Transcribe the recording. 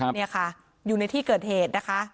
นี่ค่ะอยู่ในที่เกิดเหตุนะคะ